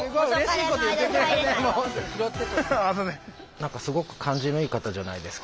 何かすごく感じのいい方じゃないですか。